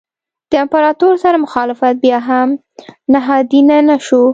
د امپراتور سره مخالفت بیا هم نهادینه نه شو.